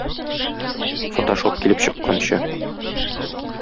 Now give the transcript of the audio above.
Фотошоп килеп чыкканчы...